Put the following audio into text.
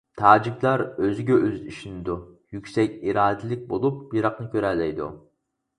تاجىكلار ئۆزىگە ئۆزى ئىشىنىدۇ، يۈكسەك ئىرادىلىك بولۇپ، يىراقنى كۆرەلەيدۇ.